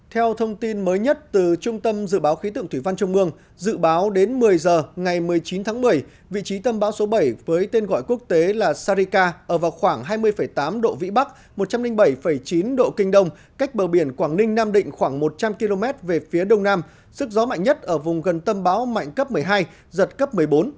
theo thông tin mới nhất từ trung tâm dự báo khí tượng thủy văn trung mương dự báo đến một mươi h ngày một mươi chín tháng một mươi vị trí tâm báo số bảy với tên gọi quốc tế là sarika ở vào khoảng hai mươi tám độ vĩ bắc một trăm linh bảy chín độ kinh đông cách bờ biển quảng ninh nam định khoảng một trăm linh km về phía đông nam sức gió mạnh nhất ở vùng gần tâm báo mạnh cấp một mươi hai giật cấp một mươi bốn một mươi năm